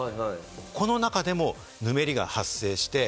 この中でもぬめりが発生して。